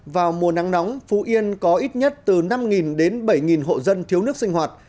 vào mùa nắng nóng phú yên có ít nhất từ năm đến bảy hộ dân thiếu nước sinh hoạt